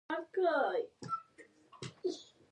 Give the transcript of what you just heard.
د صماخ تر پردې شاته منځنی غوږ موقعیت لري.